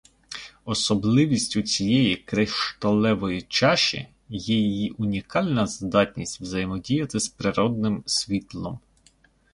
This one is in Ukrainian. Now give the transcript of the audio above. Особливістю цієї кришталевої чаші є її унікальна здатність взаємодіяти з природним світлом.